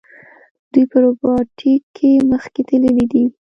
دوی په روباټیک کې مخکې تللي دي.